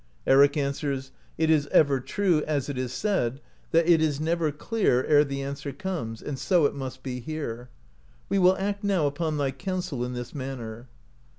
Eric answers, "It is ever true, as it is said, that *it is never clear ere the answer comes,' and so it must be here. We will act now upon thy counsel in this manner."